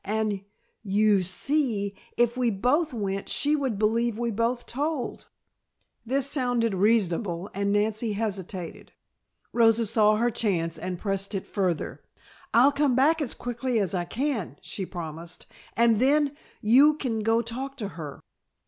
"And, you see, if we both went she would believe we both told." This sounded reasonable and Nancy hesitated. Rosa saw her chance and pressed it further. "I'll come back as quickly as I can," she promised, "and then you can go talk to her."